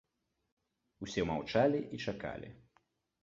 Усе маўчалі і чакалі.